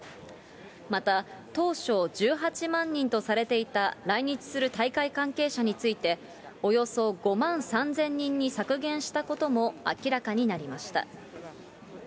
また、当初、１８万人とされていた来日する大会関係者について、およそ５万３０００人に削減したことも明らかになりました。